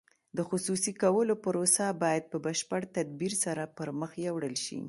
د خصوصي کولو پروسه باید په بشپړ تدبیر سره پرمخ یوړل شي.